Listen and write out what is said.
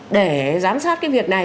để giám sát cái việc này